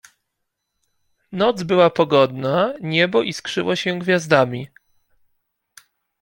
"Noc była pogodna, niebo iskrzyło się gwiazdami."